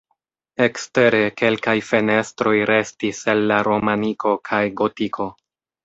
Ekstere kelkaj fenestroj restis el la romaniko kaj gotiko.